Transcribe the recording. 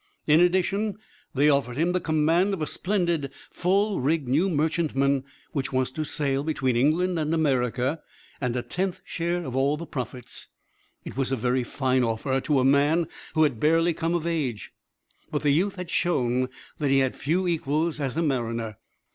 In addition they offered him the command of a splendid full rigged new merchantman which was to sail between England and America, and a tenth share of all profits. It was a very fine offer to a man who had barely come of age, but the youth had shown that he had few equals as a mariner.